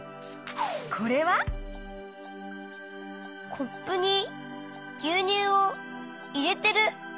コップにぎゅうにゅうをいれてる。